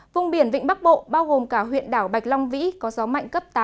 vùng biển vịnh bắc bộ bao gồm cả huyện đảo bạch long vĩ có gió mạnh cấp tám